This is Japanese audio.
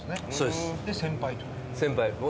で先輩と。